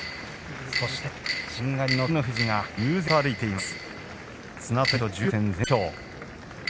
そして、しんがりの照ノ富士が悠然と歩いています。